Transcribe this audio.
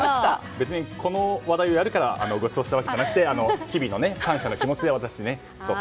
別にこの話題をやるからごちそうしたわけじゃなくて日々の感謝の気持ちで。